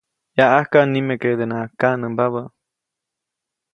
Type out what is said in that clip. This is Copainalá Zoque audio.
Yaʼajka nimekedenaʼajk kaʼnämba.